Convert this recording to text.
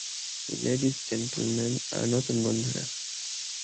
Ladies, gentleman, আর নতুন বন্ধুরা।